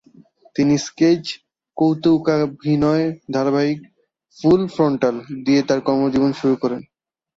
তিনি স্কেচ কৌতুকাভিনয় ধারাবাহিক "ফুল ফ্রন্টাল" দিয়ে তার কর্মজীবন শুরু করেন।